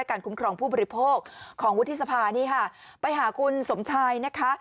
คุ้มครองผู้บริโภคของวุฒิสภานี่ค่ะไปหาคุณสมชายนะคะ